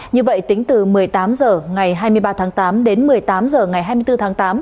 như vậy tính từ một mươi tám h ngày hai mươi ba tháng tám đến một mươi tám h ngày hai mươi bốn tháng tám